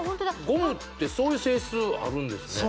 ゴムってそういう性質あるんですね